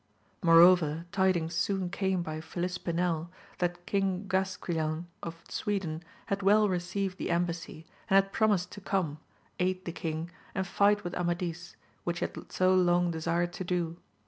Moreover tidings soon came by Filispinel, that King Gasquilan of Sweden had well received the embassy, and had promised to come, aid the king, and fight with Amadis, which he had so long desired to do.